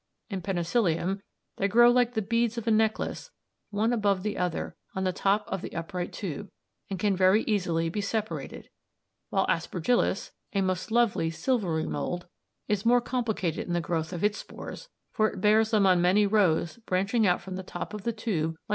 In Penicillium they grow like the beads of a necklace one above the other on the top of the upright tube, and can very easily be separated (see Fig. 22); while Aspergillus, a most lovely silvery mould, is more complicated in the growth of its spores, for it bears them on many rows branching out from the top of the tube like the rays of a star."